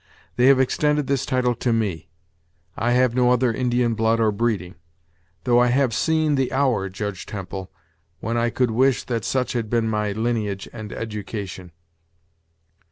They have extended his title to me, I have no other Indian blood or breeding; though I have seen the hour, Judge Temple, when I could wish that such had been my lineage and education."